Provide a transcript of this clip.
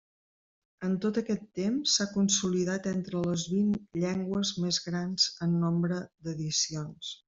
En tot aquest temps s'ha consolidat entre les vint llengües més grans en nombre d'edicions.